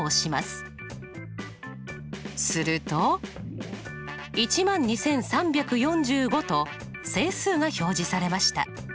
すると「１２３４５」と整数が表示されました。